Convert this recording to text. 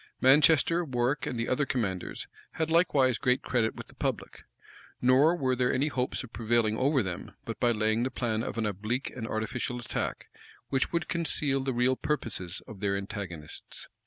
Manchester, Warwick, and the other commanders, had likewise great credit with the public; nor were there any hopes of prevailing over them, but by laying the plan of an oblique and artificial attack, which would conceal the real purposes of their antagonists.